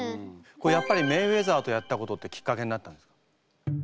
やっぱりメイウェザーとやったことってきっかけになったんですか？